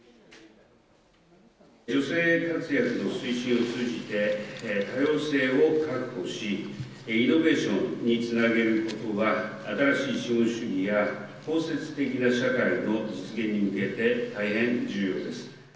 女性活躍の推進を通じて、多様性を確保し、イノベーションにつなげることは、新しい資本主義や包摂的な社会の実現に向けて、大変重要です。